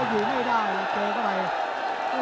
อยู่ไม่ได้อยู่เตอร์เข้าไป